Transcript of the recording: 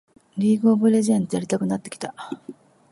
リーグ・オブ・レジェンドやりたくなってきた